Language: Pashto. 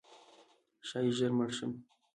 ښایي ژر مړ شم؛